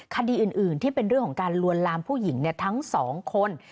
คดีอื่นที่เป็นเรื่องของการลวนลามผู้หญิงทั้งสองคน